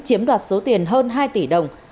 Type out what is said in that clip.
chiếm đoạt số tiền hơn hai tỷ đồng